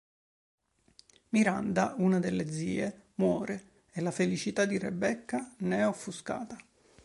Miranda, una delle zie, muore e la felicità di Rebecca ne è offuscata.